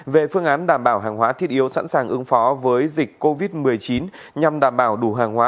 về phương án đảm bảo hàng hóa thiết yếu sẵn sàng ứng phó với dịch covid một mươi chín nhằm đảm bảo đủ hàng hóa